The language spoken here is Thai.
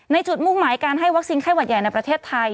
จุดมุ่งหมายการให้วัคซีนไข้หวัดใหญ่ในประเทศไทย